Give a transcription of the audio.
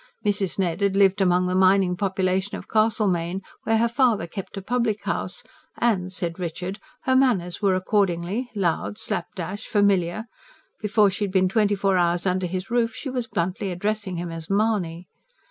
Mrs. Ned had lived among the mining population of Castlemaine, where her father kept a public house; and, said Richard, her manners were accordingly: loud, slap dash, familiar before she had been twenty four hours under his roof she was bluntly addressing him as "Mahony."